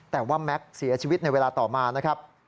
แต่ว่าแม็กซ์เสียชีวิตในเวลาต่อมานะครับ